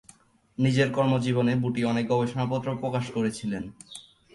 নিজের কর্মজীবনে বুটি অনেক গবেষণাপত্র প্রকাশ করেছিলেন।